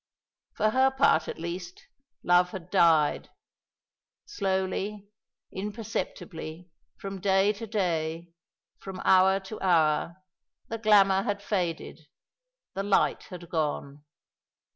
For her part, at least, love had died. Slowly, imperceptibly, from day to day, from hour to hour, the glamour had faded, the light had gone.